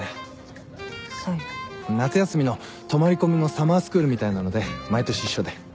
夏休みの泊まり込みのサマースクールみたいなので毎年一緒で。